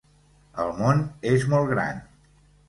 El món és molt gran.